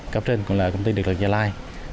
cấp trên là công ty điện lực gia lai